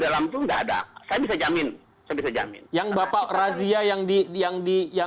lapar dan haus